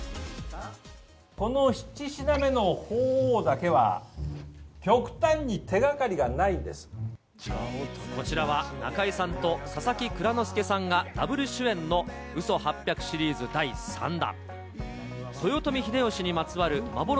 この７品目のほうおうだけは、こちらは、中井さんと佐々木蔵之介さんがダブル主演の嘘八百シリーズの第３弾。